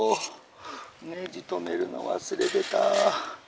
ネジ留めるの忘れてた。